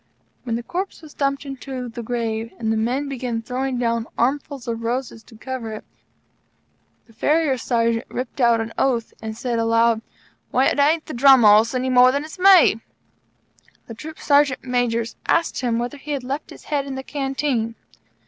When the corpse was dumped into the grave and the men began throwing down armfuls of roses to cover it, the Farrier Sergeant ripped out an oath and said aloud: "Why, it ain't the Drum Horse any more than it's me!" The Troop Sergeant Majors asked him whether he had left his head in the Canteen.